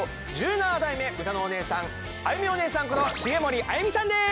１７代目うたのおねえさんあゆみおねえさんこと茂森あゆみさんです！